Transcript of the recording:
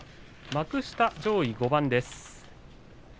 幕下上位５番です。